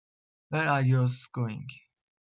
Where are yous going?